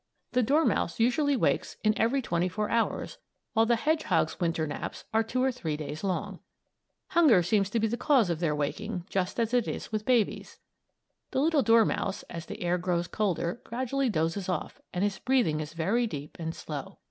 The dormouse usually wakes in every twenty four hours, while the hedgehog's Winter naps are two or three days long. Hunger seems to be the cause of their waking, just as it is with babies. The little dormouse, as the air grows colder, gradually dozes off, and his breathing is very deep and slow.